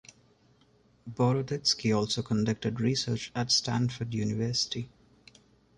Boroditsky also conducted research at Stanford University.